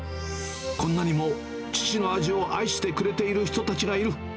こんなにも、父の味を愛してくれている人たちがいる。